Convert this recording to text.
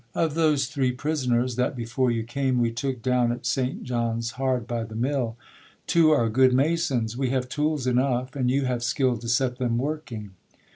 Of those three prisoners, that before you came We took down at St. John's hard by the mill, Two are good masons; we have tools enough, And you have skill to set them working.